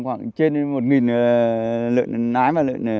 khoảng trên một lợn lái